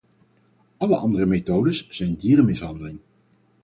Alle andere methodes zijn dierenmishandeling.